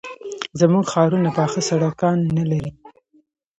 زموږ ښارونه پاخه سړکان نه لري.